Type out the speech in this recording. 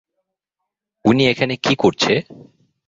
উনি এখানে কী করছে?